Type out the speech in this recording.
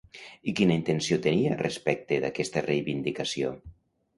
I quina intenció tenia respecte d'aquesta reivindicació?